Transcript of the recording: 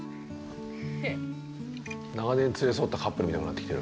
長年連れ添ったカップルみたくなってきてる。